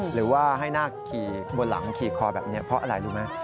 หรือว่าให้นาคขี่บนหลังขี่คอแบบนี้เพราะอะไรรู้ไหม